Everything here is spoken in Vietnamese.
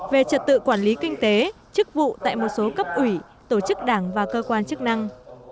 về trật tự quản lý kinh tế chức vụ tại một số cấp ủy tổ chức đảng và cơ quan chức năng